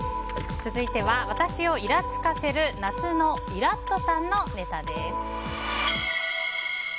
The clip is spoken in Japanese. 続いては、私をイラつかせる夏のイラッとさんのネタです。